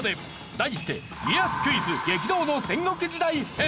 題して「家康クイズ激動の戦国時代編」。